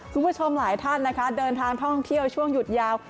คุณผู้ชมหลายท่านนะคะเดินทางท่องเที่ยวช่วงหยุดยาว